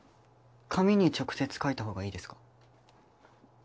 紙に直接描いたほうがいいですか？